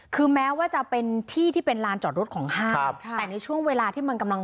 คือแม้ว่าจะเป็นที่ที่เป็นลานจอดรถของห้างแต่ในช่วงเวลาที่มันกำลัง